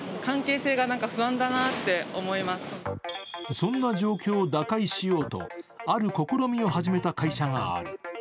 そんな状況を打開しようと、ある試みを始めた会社がある。